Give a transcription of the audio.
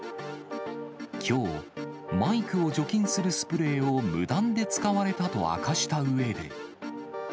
きょう、マイクを除菌するスプレーを無断で使われたと明かしたうえで。